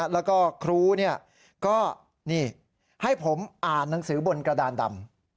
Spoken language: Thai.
แล้วก็ครูก็นี่ให้ผมอ่านหนังสือบนกระดานดำ